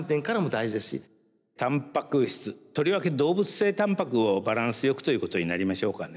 たんぱく質とりわけ動物性たんぱくをバランスよくということになりましょうかね。